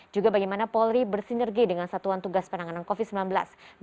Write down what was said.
juga bagaimana polri bersinergi dengan satuan tugas penanganan covid sembilan belas